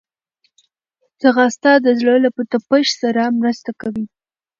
ځغاسته د زړه له تپش سره مرسته کوي